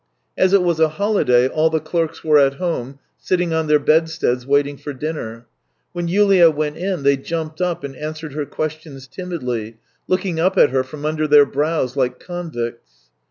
As it was a holiday, all the clerks were at home, sitting on their bedsteads waiting for dinner. When Yulia went in they jumped up, and answered her questions timidly, looking up at her from under their brows like convicts.